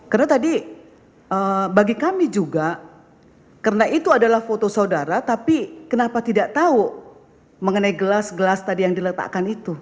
karena tadi bagi kami juga karena itu adalah foto saudara tapi kenapa tidak tahu mengenai gelas gelas tadi yang diletakkan itu